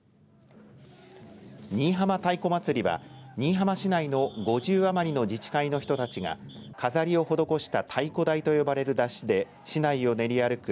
新居浜太鼓祭りは新居浜市内の５０余りの自治会の人たちが飾りを施した太鼓台と呼ばれる山車で市内を練り歩く